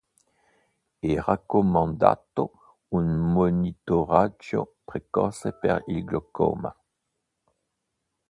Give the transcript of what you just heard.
È raccomandato un monitoraggio precoce per il glaucoma.